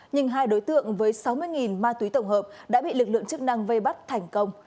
nhưng hai đối tượng với sáu mươi ma túy tổng hợp đã bị lực lượng chức năng vây bắt thành công